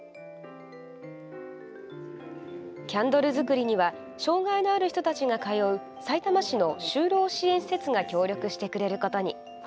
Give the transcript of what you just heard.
キャンドル作りには障害のある人たちが通うさいたま市の就労支援施設が協力してくれることに。